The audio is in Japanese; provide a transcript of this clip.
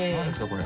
これ。